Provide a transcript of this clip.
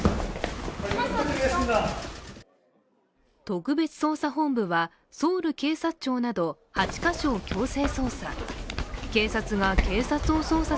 特別捜査本部はソウル警察庁など８か所を強制捜査。